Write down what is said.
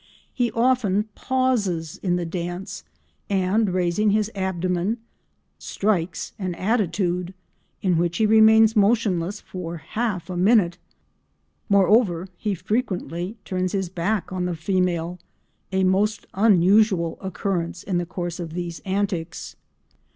He often pauses in the dance, and, raising his abdomen, "strikes an attitude" in which he remains motionless for half a minute. Moreover he frequently turns his back on the female—a most unusual occurrence in the course of these antics.